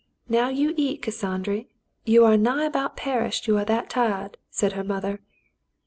'*Now you eat, Cassandry. You are nigh about per ished you are that tired," said her mother.